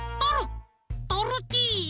トルティーヤ！